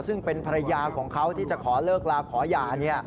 ซึ่งเป็นภรรยาของเขาที่จะขอเลิกลาขอหย่า